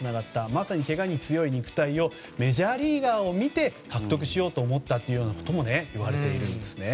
まさに、けがに強い肉体をメジャーリーガーを見て獲得しようと思ったといわれています。